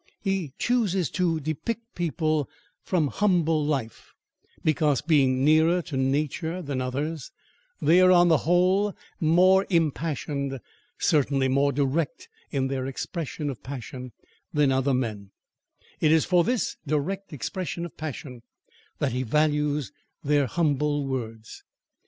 He chooses to depict people from humble life, because, being nearer to nature than others, they are on the whole more impassioned, certainly more direct in their expression of passion, than other men: it is for this direct expression of passion, that he values their humble words.